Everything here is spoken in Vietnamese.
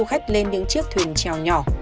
nơi du khách lên những chiếc thuyền trèo nhỏ